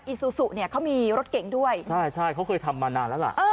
ซูซูเนี่ยเขามีรถเก่งด้วยใช่ใช่เขาเคยทำมานานแล้วล่ะ